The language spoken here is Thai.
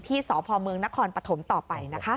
สพเมืองนครปฐมต่อไปนะคะ